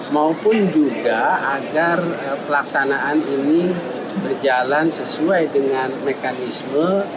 maupun juga agar pelaksanaan ini berjalan sesuai dengan mekanisme